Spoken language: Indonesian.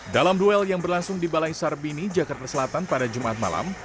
dalam duel yang berlangsung di balai sarbini jakarta selatan pada jumat malam